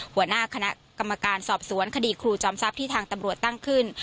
หัวหน้าคณะกรรมการสอบสวนคดีครูจอมทรัพย์ที่ทางตำรวจตั้งขึ้น